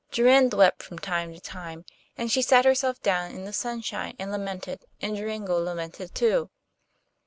Jorinde wept from time to time, and she sat herself down in the sunshine and lamented, and Joringel lamented too.